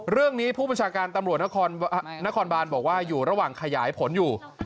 เรื่องนี้ผู้ประชาการตำรวจนครบานบอกว่าอยู่ระหว่างขยายผลอยู่